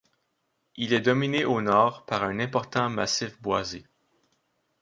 Il est dominé au nord par un important massif boisé.